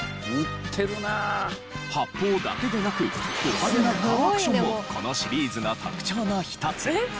発砲だけでなくド派手なカーアクションもこのシリーズの特徴の一つ。